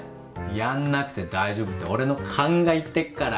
やんなくて大丈夫って俺の勘が言ってっから